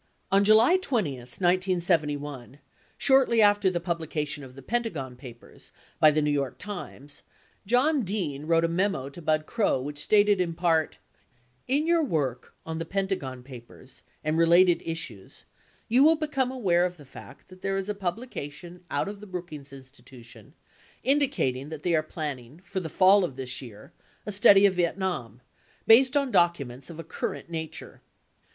78 On July 20, 1971, shortly after the publication of the "Pentagon Papers" by the New York Times, John Dean wrote a memo to Bud Krogh which stated in part : In your work on the Pentagon Papers and related issues you will become aware of the fact that there is a publication out of the Brookings Institution indicating that they are planning for the fall of this year a study of Vietnam based on documents of a current nature.